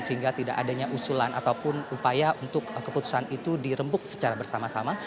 sehingga tidak adanya usulan ataupun upaya untuk keputusan itu dirembuk secara bersama sama